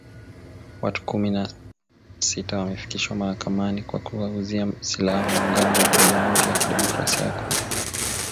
Watu kumi na sita wamefikishwa mahakamani kwa kuwauzia silaha wanamgambo huko Jamhuri ya kidemokrasia ya Kongo.